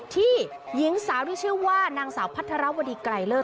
หญิงสาวที่ชื่อว่านางสาวพัทรวดีไกรเลิศ